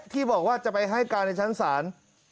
ที่บอกว่าจะไปให้การในชั้นศาล